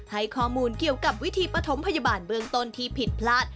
ให้ข้อมูลเกี่ยวกับวิธีปฐมพยาบาลเบื้องต้นที่ผิดพลาด